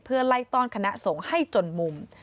เพื่อไล่ต้อนคณะสงฆ์ให้จนมุม